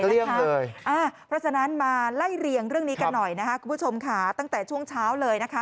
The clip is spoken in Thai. เพราะฉะนั้นมาไล่เรียงเรื่องนี้กันหน่อยนะคะคุณผู้ชมค่ะตั้งแต่ช่วงเช้าเลยนะคะ